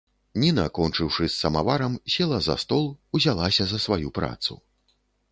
Ніна, кончыўшы з самаварам, села за стол, узялася за сваю працу.